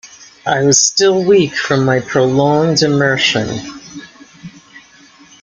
I was still weak from my prolonged immersion.